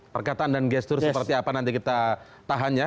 perkataan dan gestur seperti apa nanti kita tahan ya